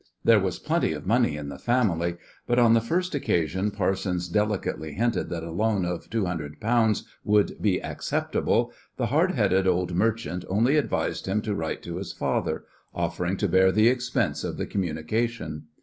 There was plenty of money in the family, but on the first occasion Parsons delicately hinted that a loan of two hundred pounds would be acceptable the hard headed old merchant only advised him to write to his father, offering to bear the expense of the communication.